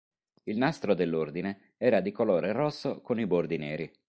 Il nastro dell'Ordine era di colore rosso con i bordi neri.